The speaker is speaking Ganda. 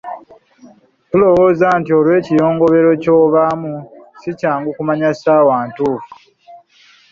Tulowooza nti olw’ekiyongobero ky’obaamu si kyangu kumanya ssaawa ntuufu.